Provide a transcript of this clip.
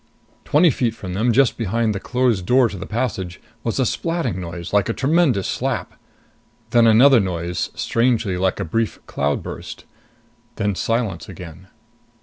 Twenty feet from them, just behind the closed door to the passage, was a splatting noise like a tremendous slap. Then another noise, strangely like a brief cloudburst. Then silence again.